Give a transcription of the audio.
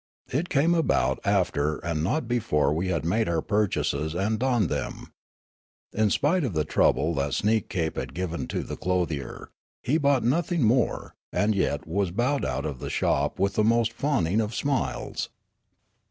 It came about after and not before we had made our purchases and donned them. In spite of the trouble that Sneekape had given to the clothier, he bought nothing more, and yet was bowed out of the shop with the most fawning of smiles.